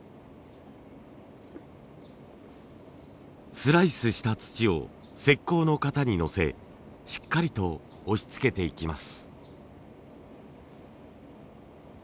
スライスした土を石こうの型にのせしっかりと押しつけていきます。